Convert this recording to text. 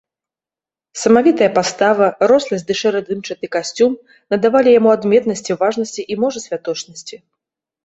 Самавітая пастава, росласць ды шэра-дымчаты касцюм надавалі яму адметнасці, важнасці і, можа, святочнасці.